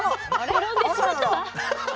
転んでしまったわ。